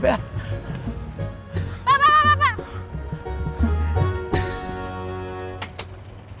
pak pak pak pak